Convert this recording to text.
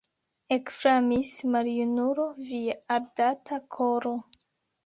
Ekflamis, maljunulo, via ardanta koro!